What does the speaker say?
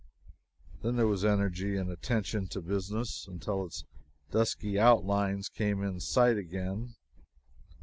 Then there was energy and attention to business until its dusky outlines came in sight again.